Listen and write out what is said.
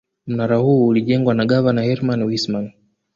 Mnara huu ulijengwa na gavana Herman Wissman